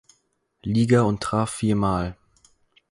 Liga und traf viermal.